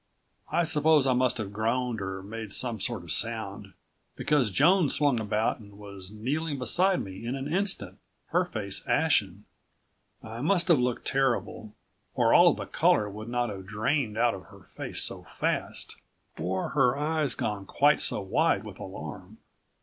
I suppose I must have groaned or made some sort of sound, because Joan swung about and was kneeling beside me in an instant, her face ashen. I must have looked terrible, or all of the color would not have drained out of her face so fast, or her eyes gone quite so wide with alarm.